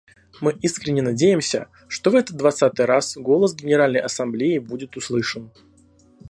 Мы искренне надеемся, что в этот двадцатый раз голос Генеральной Ассамблеи будет услышан.